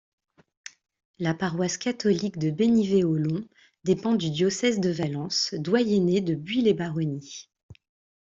La paroisse catholique de Bénivay-Ollon dépend du diocèse de Valence, doyenné de Buis-les-Baronnies.